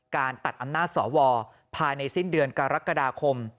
การตัดอำนาจสวภายในสิ้นเดือนกรกฎาคม